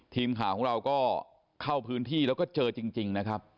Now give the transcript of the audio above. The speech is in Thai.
ทีมข่าวของเราก็เข้าพื้นที่แล้วก็เจอจริงนะครับ